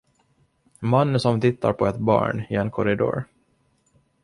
Man som tittar på ett barn i en korridor.